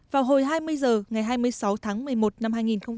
vào hồi hai mươi h ngày hai mươi sáu tháng một mươi một năm hai nghìn một mươi sáu